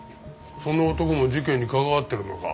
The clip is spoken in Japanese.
その男も事件に関わっているのか？